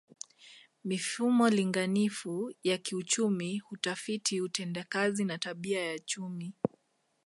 Mifumo linganifu ya kiuchumi hutafiti utendakazi na tabia ya chumi